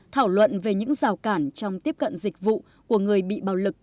thảo luận về những rào cản trong tiếp cận dịch vụ của người bị bạo lực